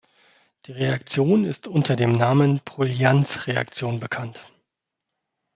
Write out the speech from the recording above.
Die Reaktion ist unter dem Namen Bruylants-Reaktion bekannt.